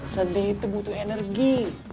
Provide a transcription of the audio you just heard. sedih itu butuh energi